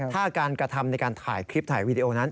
ถ้าการกระทำในการถ่ายคลิปถ่ายวีดีโอนั้น